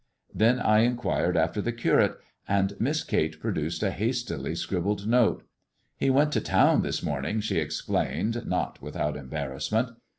Then I inquired after the Curate, and Miss Kate produced a hastily scribbled note. "He went to town this morning," she explained, xwt. without embarrassment.